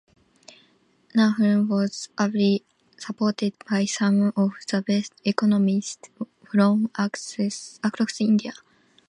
Nehru was ably supported by some of the best economists from across India.